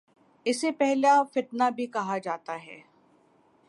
اسے پہلا فتنہ بھی کہا جاتا ہے